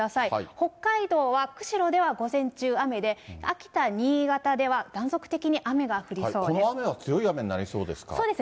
北海道は釧路では午前中雨で、秋田、新潟では断続的に雨が降りそうです。